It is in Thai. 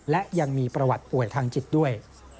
และยังมีประวัติป่วยทางจิตด้วย